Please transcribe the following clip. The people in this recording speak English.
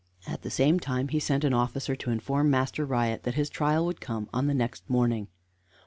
At the same time he sent an officer to inform Master Riot that his trial would come on the next morning.